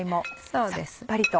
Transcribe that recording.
そうです。